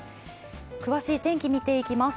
詳しい天気見ていきます。